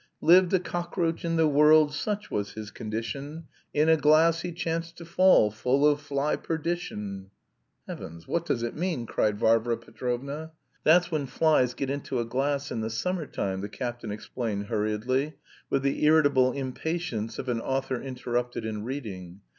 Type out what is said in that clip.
"Lived a cockroach in the world Such was his condition, In a glass he chanced to fall Full of fly perdition." "Heavens! What does it mean?" cried Varvara Petrovna. "That's when flies get into a glass in the summer time," the captain explained hurriedly with the irritable impatience of an author interrupted in reading.